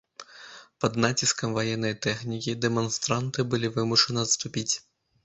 Пад націскам ваеннай тэхнікі, дэманстранты былі вымушаны адступіць.